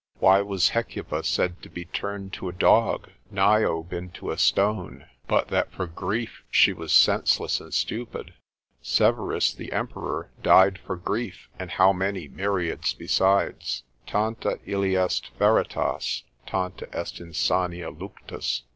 Why was Hecuba said to be turned to a dog? Niobe into a stone? but that for grief she was senseless and stupid. Severus the Emperor died for grief; and how many myriads besides? Tanta illi est feritas, tanta est insania luctus.